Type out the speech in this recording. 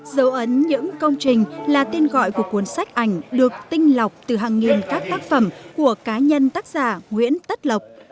dấu ấn những công trình là tên gọi của cuốn sách ảnh được tinh lọc từ hàng nghìn các tác phẩm của cá nhân tác giả nguyễn tất lộc